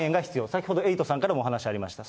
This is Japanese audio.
先ほどエイトさんからもお話ありました。